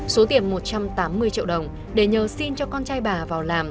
số tiền một trăm tám mươi triệu đồng để nhờ xin cho con trai bà vào làm